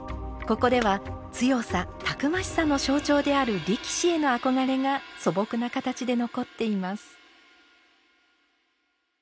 ここでは強さたくましさの象徴である力士への憧れが素朴な形で残っています。